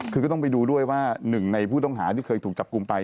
คือก็ต้องไปดูด้วยว่าหนึ่งในผู้ต้องหาที่เคยถูกจับกลุ่มไป